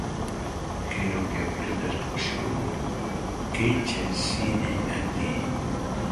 Quero que aprendas co xogo, que che ensine a ti.